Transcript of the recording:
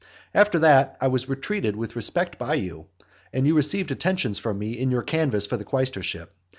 After that, I was treated with respect by you, and you received attentions from me in your canvass for the quaestorship.